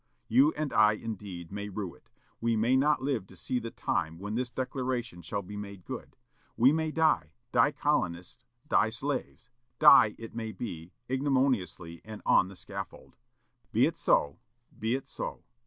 You and I, indeed, may rue it. We may not live to see the time when this declaration shall be made good. We may die, die colonists, die slaves; die, it may be, ignominiously and on the scaffold. Be it so. Be it so.